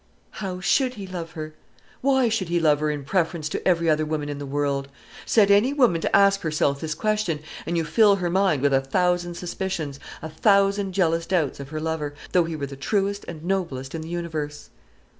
How should he love her? why should he love her in preference to every other woman in the world? Set any woman to ask herself this question, and you fill her mind with a thousand suspicions, a thousand jealous doubts of her lover, though he were the truest and noblest in the universe.